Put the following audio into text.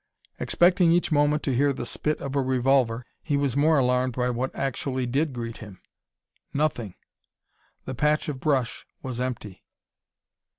Expecting each moment to hear the spit of a revolver, he was more alarmed by what actually did greet him. Nothing. The patch of brush was empty!